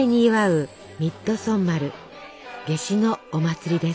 夏至のお祭りです。